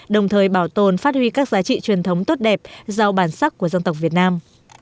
đồng thời bảo tồn phát huy các giá trị truyền thống tốt đẹp giàu bản sắc của dân tộc việt nam